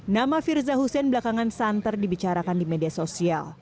nama firza hussein belakangan santer dibicarakan di media sosial